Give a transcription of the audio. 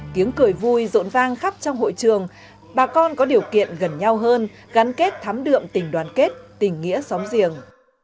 kiếng cười vui rộn vang khắp trong hội trường bà con có điều kiện gần nhau hơn gắn kết thám đượm tình đoàn kết tình nghĩa xóm riềng